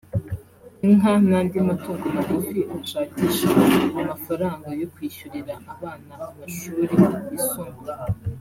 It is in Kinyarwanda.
inka n’andi matungo magufi bashakisha amafaranga yo kwishyurira abana amashuri yisumbuye